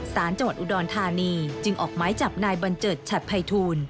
สารจังหวัดอุดรธานีจึงออกไม้จับนายบัญเจิดฉัดภัยทูล